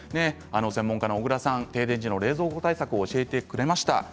専門家の小倉さん、停電時の冷蔵庫対策を教えてくれました。